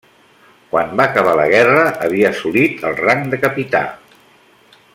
Quan va acabar la guerra havia assolit el rang de capità.